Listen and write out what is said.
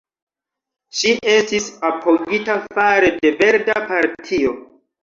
Ŝi estis apogita fare de Verda Partio.